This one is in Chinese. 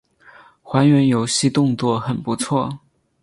还原游戏动作很不错